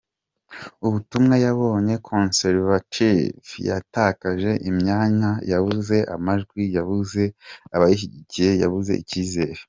ubutumwa yabonye Conservative yatakaje imyanya, yabuze amajwi, yabuze abayishyigikiye, yabuze icyizere.